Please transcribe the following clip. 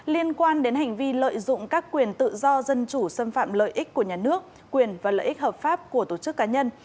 liên quan đến hành vi lợi dụng các quyền tự do dân chủ xâm phạm lợi ích của nhà nước quyền và lợi ích hợp pháp của tổ chức cá nhân